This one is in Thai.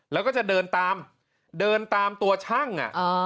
แล้วก็จะเดินตามเดินตามตัวช่าง